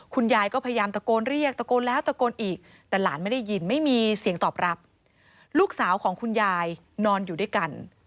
คุณยายก็พยายามตะโกนเรียกตะโกนแล้วตะโกนอีกแต่หลานไม่ได้ยินไม่มีเสียงตอบรับลูกสาวของคุณยายนอนอยู่ด้วยกัน